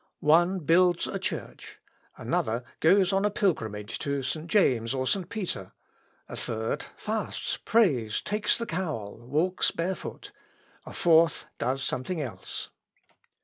One builds a church; another goes on a pilgrimage to St James or St. Peter; a third fasts, prays, takes the cowl, walks barefoot; a fourth does something else.